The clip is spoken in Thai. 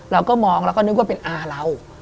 เราก็มองแล้วก็นึกว่าเป็นอาเรา